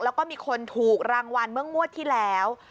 แล้วก็มีคนถูกรางวัลเมื่องวดที่แล้ว